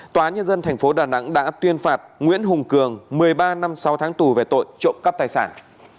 tòa nhân dân tp đà nẵng đã tuyên phạt nguyễn hùng cường một mươi ba năm sáu tháng tù về tội trộm cắp tài sản